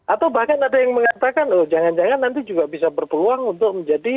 atau bahkan ada yang mengatakan loh jangan jangan nanti juga bisa berpeluang untuk menjadi